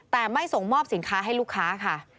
แต่ไม่ส่งมอบสินค้าให้ลูกค้าค่ะ